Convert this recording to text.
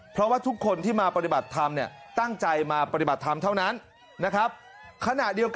เพราะว่าทุกคนที่มาบริบัติธรรมเนี่ย